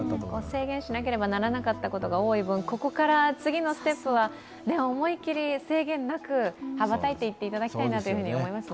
制限しなければならなかったものが多い分、ここから次のステップは思いっきり、制限なく羽ばたいていっていただきたいなと思いますね。